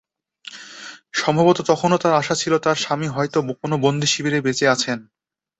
সম্ভবত তখনো তাঁর আশা ছিল, তাঁর স্বামী হয়তো কোনো বন্দিশিবিরে বেঁচে আছেন।